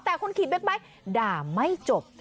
แต่คนขี่บิ๊กไบท์ด่าไม่จบ